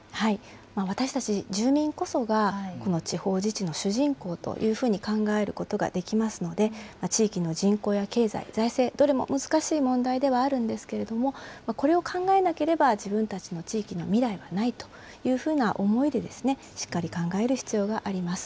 私たち住民こそが、この地方自治の主人公というふうに考えることができますので、地域の人口や経済、財政、どれも難しい問題ではあるんですけれども、これを考えなければ自分たちの地域の未来はないというふうな思いで、しっかり考える必要があります。